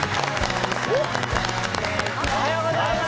おはようございます。